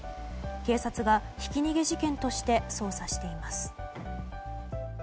警察が、ひき逃げ事件として捜査しています。